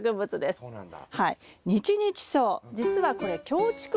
ああそうなんだ！